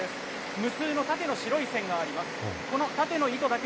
無数の縦の白い線があります。